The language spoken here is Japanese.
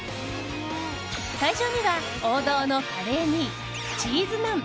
会場には王道のカレーにチーズナン